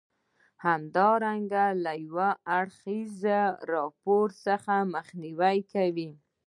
همدارنګه له یو اړخیز راپور څخه مخنیوی کوم.